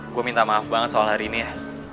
gue minta maaf banget soal hari ini ya